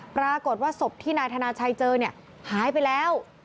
ปรากฏว่าศพที่นายธนาชัยเจอเนี่ยหายไปแล้ว